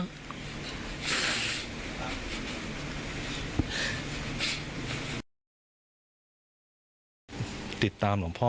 ก็ไม่ได้คิดอะไรมาก